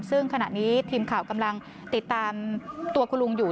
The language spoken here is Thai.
ซึ่งขณะนี้ทีมข่าวกำลังติดตามตัวคุณลุงอยู่